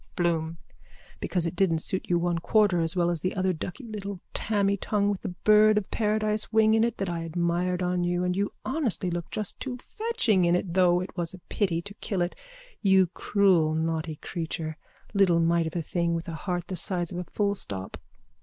BLOOM: Because it didn't suit you one quarter as well as the other ducky little tammy toque with the bird of paradise wing in it that I admired on you and you honestly looked just too fetching in it though it was a pity to kill it, you cruel naughty creature, little mite of a thing with a heart the size of a fullstop.